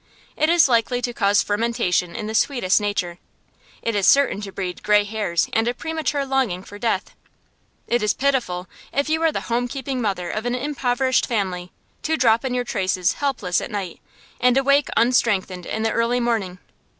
It is likely to cause fermentation in the sweetest nature; it is certain to breed gray hairs and a premature longing for death. It is pitiful, if you are the home keeping mother of an impoverished family, to drop in your traces helpless at night, and awake unstrengthened in the early morning.